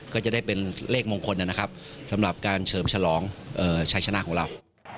ก็จะได้เป็นเลขมงคลนะครับสำหรับการเฉลิมฉลองชัยชนะของเรา